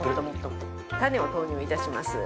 種を投入いたします。